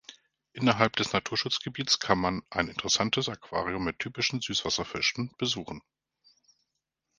Innerhalb des Naturschutzgebiets kann man ein interessantes Aquarium mit typischen Süßwasserfischen besuchen.